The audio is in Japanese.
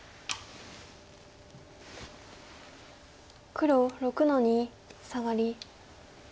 黒６の二サガリ。